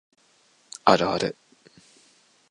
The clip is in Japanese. あるある